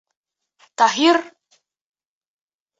Таһир: